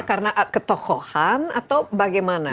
karena ketokohan atau bagaimana